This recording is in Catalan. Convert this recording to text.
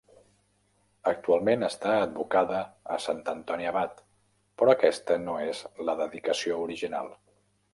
Actualment està advocada a sant Antoni Abat, però aquesta no és la dedicació original.